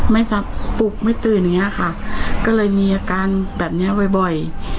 ปลุกไม่ตื่นอย่างเงี้ยค่ะก็เลยมีอาการแบบเนี้ยบ่อยบ่อย